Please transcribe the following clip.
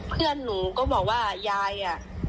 เพื่อนหนูก็บอกว่ายายอ่ะ